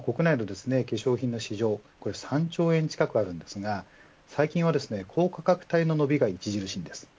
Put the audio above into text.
今、国内の化粧品の市場３兆円近くあるんですが最近は高価格帯の伸びが著しいんです。